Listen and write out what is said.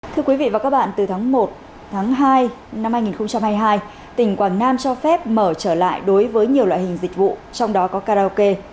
thưa quý vị và các bạn từ tháng một tháng hai năm hai nghìn hai mươi hai tỉnh quảng nam cho phép mở trở lại đối với nhiều loại hình dịch vụ trong đó có karaoke